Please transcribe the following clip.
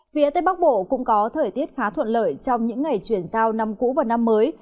phía tây bắc bộ cũng có thời tiết khá thuận lợi trong những ngày chuyển giao năm cũ và năm mới